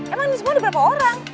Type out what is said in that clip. emang ini semua ada berapa orang